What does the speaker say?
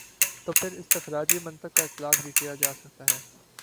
تو پھر استخراجی منطق کا اطلاق بھی کیا جا سکتا ہے۔